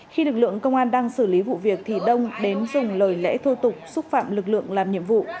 khi lực lượng công an đang xử lý vụ việc thì đông đến dùng lời lẽ thô tục xúc phạm lực lượng làm nhiệm vụ